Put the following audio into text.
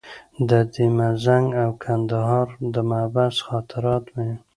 د ده مزنګ او کندهار د محبس خاطرات وې.